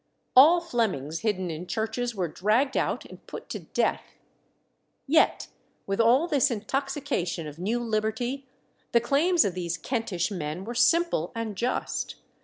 All Flemings hidden in churches were dragged out and put to death. Yet, with all this intoxication of new liberty, the claims of these Kentish men were simple and just.